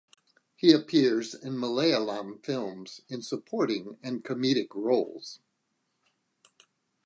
He appears in Malayalam films in supporting and comedic roles.